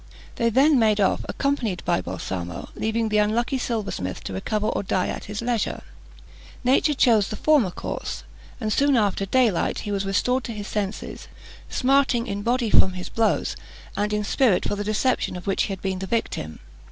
They then made off, accompanied by Balsamo, leaving the unlucky silversmith to recover or die at his leisure. Nature chose the former course; and soon after daylight he was restored to his senses, smarting in body from his blows and in spirit for the deception of which he had been the victim.